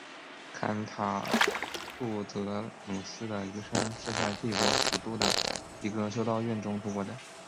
坎塔库泽努斯的余生是在帝国首都的一个修道院中度过的。